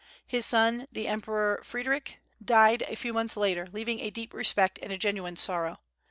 His son the Emperor Frederick died a few months later, leaving a deep respect and a genuine sorrow.